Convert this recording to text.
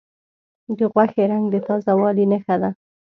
د غوښې رنګ د تازه والي نښه ده.